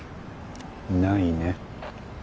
ないね。